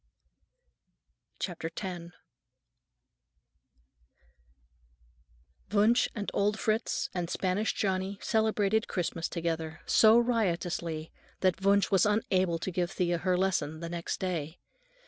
X Wunsch and old Fritz and Spanish Johnny celebrated Christmas together, so riotously that Wunsch was unable to give Thea her lesson the next day.